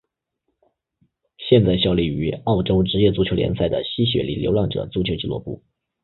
现在效力于澳洲职业足球联赛的西雪梨流浪者足球俱乐部。